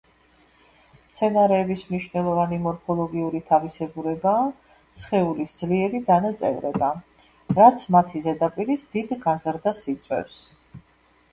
მცენარეების მნიშვნელოვანი მორფოლოგიური თავისებურებაა სხეულის ძლიერი დანაწევრება, რაც მათი ზედაპირის დიდ გაზრდას იწვევს.